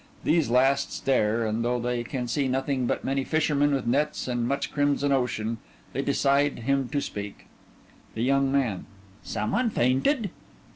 These last stare, and though they can see nothing but many fishermen with nets and much crimson ocean, they decide him to speak_) THE YOUNG MAN: Some one fainted?